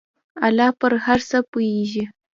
الله په هر څه پوهیږي.